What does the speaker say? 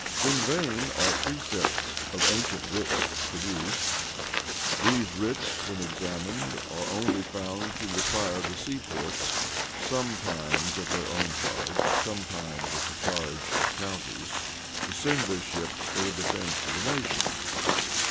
In vain are precedents of ancient writs produced: these writs, when examined, are only found to require the seaports, sometimes at their own charge, sometimes at the charge of the counties, to send their ships for the defence of the nation.